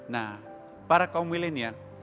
nah para kaum milenial